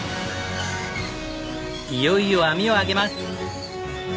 いよいよ網を上げます！